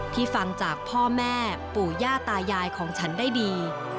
ฟังจากพ่อแม่ปู่ย่าตายายของฉันได้ดี